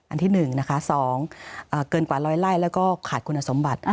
อันที่๑นะคะ๒เกินกว่าร้อยไล่แล้วก็ขาดคุณสมบัติ